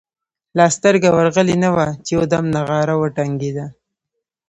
لا سترګه ورغلې نه وه چې یو دم نغاره وډنګېده.